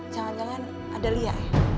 jangan jangan ada lia